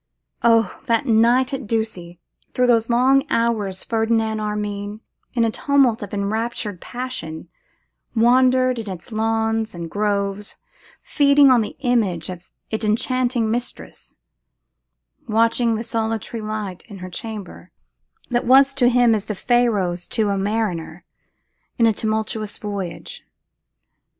Oh! that night at Ducie, through whose long hours Ferdinand Armine, in a tumult of enraptured passion, wandered in its lawns and groves, feeding on the image of its enchanting mistress, watching the solitary light in her chamber that was to him as the pharos to a mariner in a tumultuous voyage!